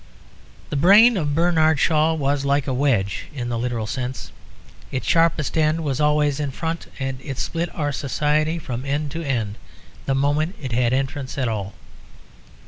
The brain of Bernard Shaw was like a wedge in the literal sense. Its sharpest end was always in front; and it split our society from end to end the moment it had entrance at all.